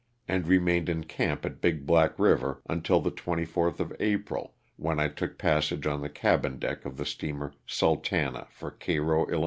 and remained in camp at Big Black river until the 24th of April, when I took passage on the cabin deck of the steamer ^' Sultana *' for Cairo, 111.